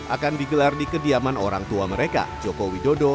akan digelar di kediaman orang tua mereka joko widodo